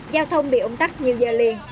giao thông bị ủng tắc nhiều giờ liền